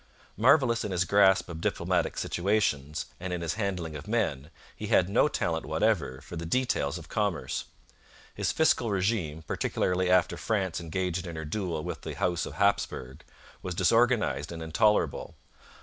Marvellous in his grasp of diplomatic situations and in his handling of men, he had no talent whatever for the details of commerce. His fiscal regime, particularly after France engaged in her duel with the House of Hapsburg, was disorganized and intolerable.